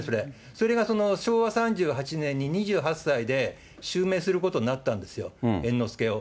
それがその昭和３８年に２８歳で襲名することになったんですよ、猿之助を。